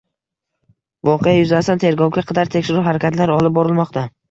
Voqea yuzasidan tergovga qadar tekshiruv harakatlari olib borilmoqda